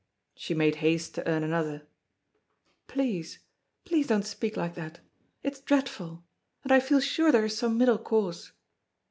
She made haste to earn another. "Please please don't speak like that! It is dreadful. And I feel sure there is some middle course."